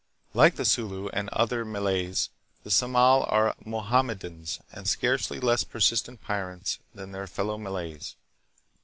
Like the Sulu and other Malays, the Samal are Mohammedans, and scarcely less persistent pirates than their fellow Malays.